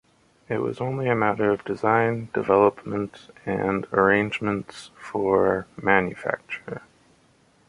It was only a matter of design, development, and arrangements for manufacture.